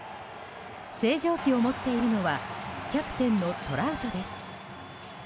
星条旗を持っているのはキャプテンのトラウトです。